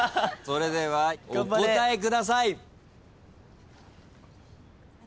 それではお答えください。